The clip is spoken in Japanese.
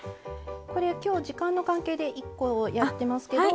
これ今日時間の関係で１個やってますけど。